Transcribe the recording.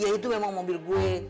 ya itu memang mobil gue